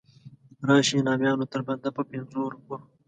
راشئ نامیانو تر بنده په پنځو روپو.